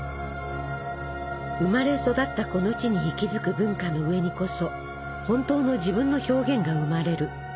生まれ育ったこの地に息づく文化の上にこそ本当の自分の表現が生まれる。